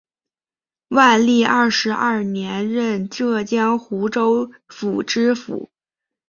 万历二十二年任浙江湖州府知府。